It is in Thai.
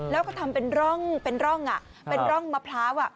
แล้วก็ทำเป็นร่องมะพร้าว